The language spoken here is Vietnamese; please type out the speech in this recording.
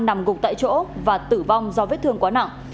nằm gục tại chỗ và tử vong do vết thương quá nặng